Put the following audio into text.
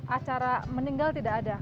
acara meninggal tidak ada